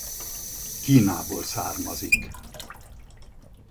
Kínából származik.